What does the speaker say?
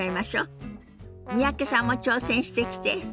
三宅さんも挑戦してきて。